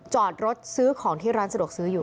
จอดรถซื้อของที่ร้านสะดวกซื้ออยู่